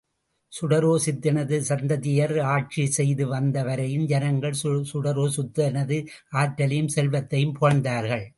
கடோர சித்தனது சந்ததியார் ஆட்சி செய்து வந்த வரையும் ஜனங்கள் கடோரசித்தனது ஆற்றலையுஞ் செல்வத்தையும் புகழ்ந்தார்கள்.